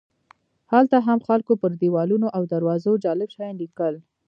هلته هم خلکو پر دیوالونو او دروازو جالب شیان لیکل.